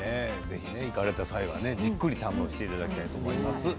行かれた際はじっくり堪能していただきたいと思います。